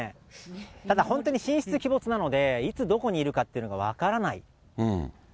ただ本当に神出鬼没なので、いつどこにいるかっていうのが分からない。